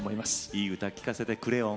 いい聴かせてくれおん？